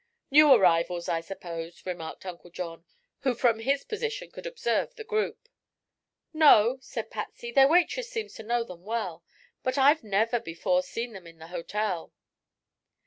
"New arrivals, I suppose," remarked Uncle John, who from his position could observe the group. "No," said Patsy; "their waitress seems to know them well. But I've never before seen them in the hotel."